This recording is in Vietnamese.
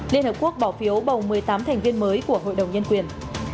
liên hợp quốc bỏ phiếu bầu một mươi tám thành viên mới của hội đồng nhân quyền